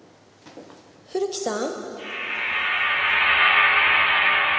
古木さん？